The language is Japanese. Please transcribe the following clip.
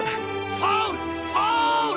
ファウル！